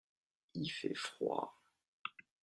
il fait froid.